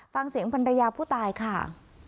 ฟังเสียงภรรยาผู้ตายค่ะ